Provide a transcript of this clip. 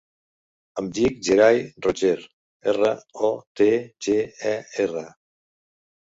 Em dic Gerai Rotger: erra, o, te, ge, e, erra.